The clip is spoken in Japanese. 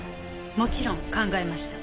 もちろん考えました。